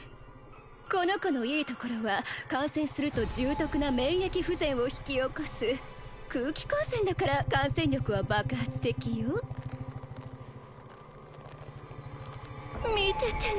この子のいいところは感染すると重篤な免疫不全を引き起こす空気感染だから感染力は爆発的よ見ててね